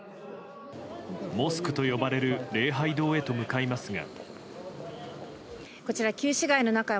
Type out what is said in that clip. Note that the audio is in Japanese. モスクと呼ばれる礼拝堂へと向かいますが。